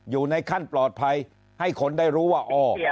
อยู่ในขั้นปลอดภัยให้คนได้รู้ว่าอ๋อ